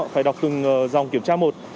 phải đọc từng dòng kiểm tra một